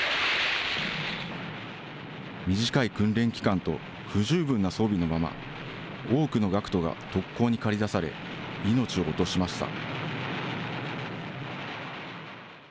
短い訓練期間と不十分な装備のまま、多くの学徒が特攻に駆り出され、命を落としました。